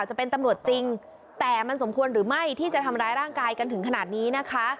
จะเป็นตำรวจจริงแต่มันสมควรหรือไม่ที่จะทำร้ายร่างกายกันถึงขนาดนี้นะคะ